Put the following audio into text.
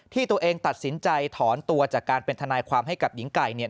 ที่ตัวเองตัดสินใจถอนตัวจากการเป็นทนายความให้กับหญิงไก่เนี่ย